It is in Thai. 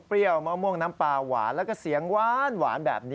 ลูกค้าก็บอกโอ้เสียงพ่อเอามาซื้อหน่อย